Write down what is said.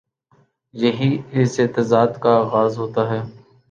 یہیں سے تضاد کا آ غاز ہو تا ہے۔